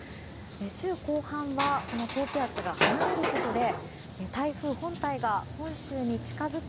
週後半は高気圧が離れることで台風本体が本州に近づき